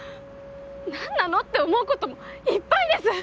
何なのって思うこともいっぱいです。